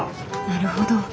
なるほど。